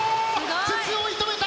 筒を射止めた。